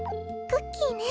クッキーね。